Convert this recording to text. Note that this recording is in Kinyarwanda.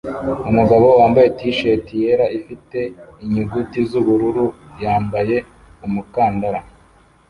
Umugabo wambaye t-shati yera ifite inyuguti z'ubururu yambaye umukandara